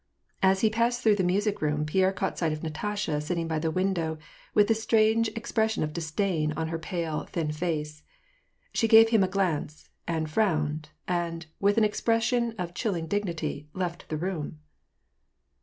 As he passed through the music room Pierre caught sight of Natasha sitting by the window, with a strange expression of disdain on her pale, thin face. She gave him a glance, and frowned, and, with an ex pression of chilling dignity, left the room.